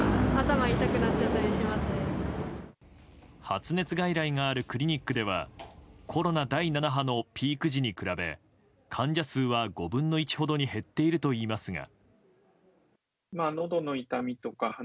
発熱外来があるクリニックではコロナ第７波のピーク時に比べ患者数は５分の１ほどに減っているといいますが。